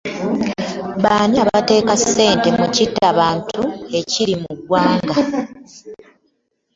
Baani abateeka ssente mu kitta bantu ekiri mu ggwanga?